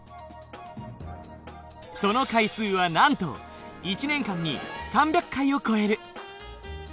その回数はなんと１年間に３００回を超える！